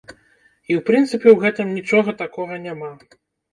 І ў прынцыпе ў гэтым нічога такога няма.